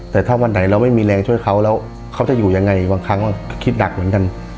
แต่ถ้าวันไหนเราไม่มีแรงช่วยเขาแล้วเขาจะอยู่ยังไงบางครั้งคิดหนักเหมือนกัน